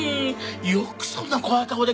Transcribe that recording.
よくそんな怖い顔できるわね。